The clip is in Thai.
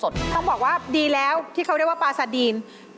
ต้องบอกว่าดีแล้วที่เขาเรียกว่าปลาซาดีน